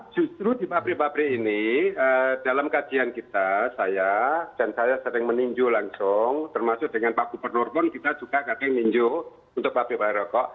justru di pabrik pabrik ini dalam kajian kita saya dan saya sering meninjau langsung termasuk dengan pak gubernur pun kita juga kadang minjo untuk pabrik bahan rokok